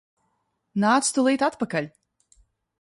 Nāc tūlīt atpakaļ!